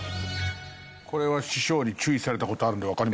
これは師匠に注意された事あるのでわかります。